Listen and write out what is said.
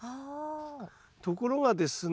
ところがですね